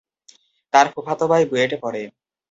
তার ফুফাতো ভাই বুয়েটে পড়ে।